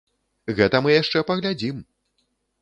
Гэта мы яшчэ паглядзім!